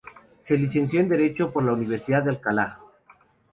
Se licenció en Derecho por la Universidad de Alcalá.